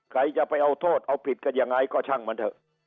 ใครจะไปเอาโทษเอาผิดกันยังไงก็ช่างมันเถอะ